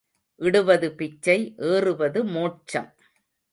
இடுவது பிச்சை ஏறுவது மோட்சம்.